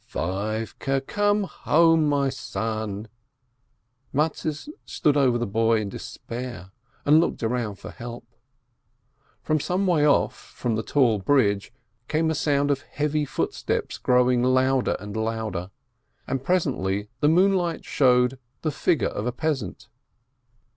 "Feivele, come home, my son !" Mattes stood over the boy in despair, and looked around for help. From some way off, from the tall bridge, came a sound of heavy footsteps growing loud er and louder, and presently the moonlight showed the figure of a peasant.